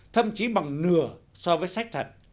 thậm chí bằng nửa so với sách thật